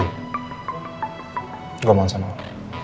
saya mau bersama kamu